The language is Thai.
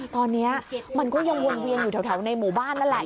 ตอนนี้มันก็ยังวนเวียนอยู่แถวในหมู่บ้านนั่นแหละ